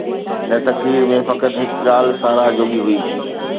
هن تقرير ۾ فقط هڪ ڳالهه ساراهه جوڳي هئي.